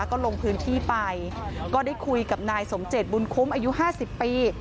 ก็ลงพื้นที่ไปก็ได้คุยกับนายสมเจตบุญคุ้มอายุ๕๐ปี